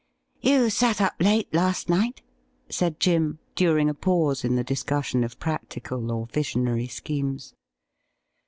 " You sat up late last night,' said Jim, during a pause in the discussion of practical or visionary schemes.